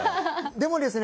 でもですね